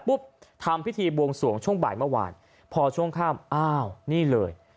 ทำพิธีบวงสวงช่วงบ่ายเมื่อวานพอช่วงข้ามอ้าวนี่เลย